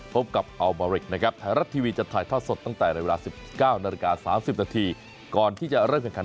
พบกับอัลบาอิล์กนะครับไทรัตทีวีจะถ่ายทอดสดตั้งแต่ตั้งแต่๑๙น๓๐นก่อนที่จะเริ่มขึ้นขัน